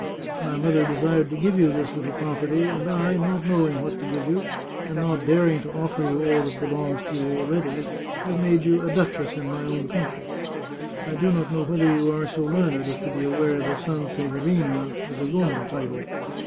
My mother desired to give you this little property, and I, not knowing what to g^ve you, and not daring to offer you all that belongs to you already, have made you a duchess in my own country. I do not know whether you are so learned as to be aware that Sanseverina is a Roman title.